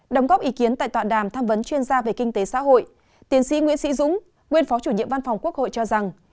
đóng góp ý kiến tại tọa đàm tham vấn chuyên gia về kinh tế xã hội tiến sĩ nguyễn sĩ dũng nguyên phó chủ nhiệm văn phòng quốc hội cho rằng